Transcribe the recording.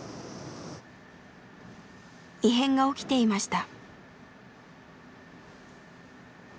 異変が起きていました。